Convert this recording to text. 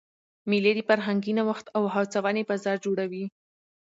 مېلې د فرهنګي نوښت او هڅوني فضا جوړوي.